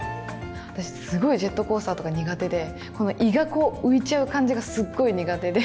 私、すごいジェットコースターとか苦手で、胃がこう、浮いちゃう感じがすっごい苦手で。